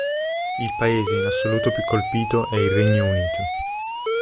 Il paese in assoluto più colpito è il Regno Unito.